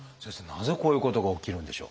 なぜこういうことが起きるんでしょう？